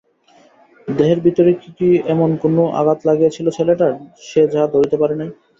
দেহের ভিতরে কি এমন কোনো আঘাত লাগিয়াছিল ছেলেটার, সে যাহা ধরিতে পারে নাই?